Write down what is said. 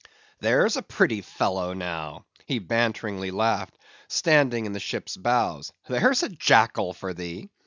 "There's a pretty fellow, now," he banteringly laughed, standing in the ship's bows, "there's a jackal for ye!